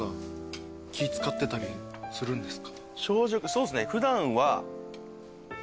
そうっすね。